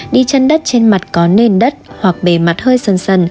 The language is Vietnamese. đi chân đất trên mặt có nền đất hoặc bề mặt hơi sân sần